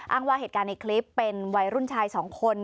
ว่าเหตุการณ์ในคลิปเป็นวัยรุ่นชายสองคน